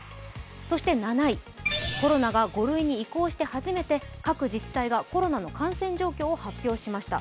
そして７位、コロナが５類に移行して初めて各自治体がコロナの感染状況を発表しました。